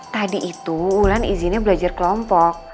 tadi itu ulan izinnya belajar kelompok